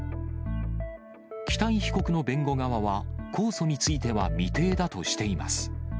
北井被告の弁護側は、控訴については未定だとしています。